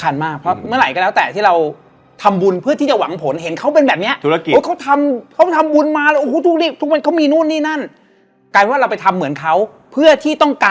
กินหมูขาดท้าอร่อยอ่ะอร่อยสุดแต่เป็นคนเดียวกับหนาวกินอะไรก็ไม่ลุง